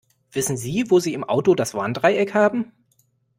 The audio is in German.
Wissen Sie, wo sie im Auto das Warndreieck haben?